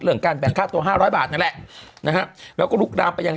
การแบ่งค่าตัวห้าร้อยบาทนั่นแหละนะฮะแล้วก็ลุกรามไปยัง